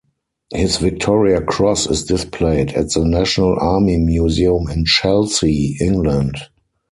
His Victoria Cross is displayed at the National Army Museum in Chelsea, England.